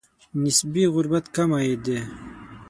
نسبي غربت کم عاید دی.